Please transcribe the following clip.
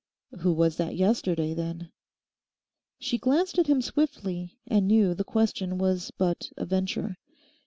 'Who was that yesterday, then?' She glanced at him swiftly and knew the question was but a venture.